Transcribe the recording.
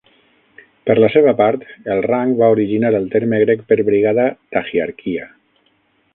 Per la seva part, el rang va originar el terme grec per brigada, "taxiarchia".